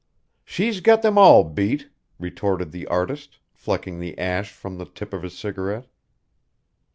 "She's got them all beat," retorted the artist, flecking the ash from the tip of his cigarette.